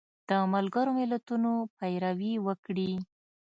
د ملګرو ملتونو پیروي وکړي